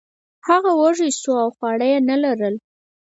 هغه وږی شو او خواړه یې نه لرل.